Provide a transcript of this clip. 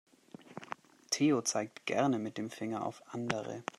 Theo zeigt gerne mit dem Finger auf andere.